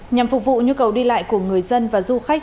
nhằm phục vụ nhu cầu đi lại của người dân và du khách